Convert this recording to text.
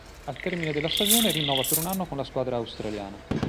Al termine della stagione rinnova per un anno con la squadra australiana.